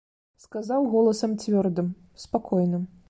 Сказаў голасам цвёрдым, спакойным.